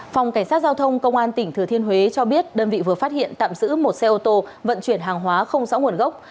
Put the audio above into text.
phòng cảnh sát giao thông công an tỉnh thừa thiên huế cho biết đơn vị vừa phát hiện tạm giữ một xe ô tô vận chuyển hàng hóa không rõ nguồn gốc